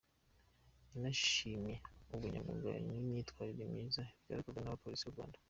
Yanashimye ubunyamwuga n’imyitwarire myiza bigaragazwa n’abapolisi b’u Rwanda.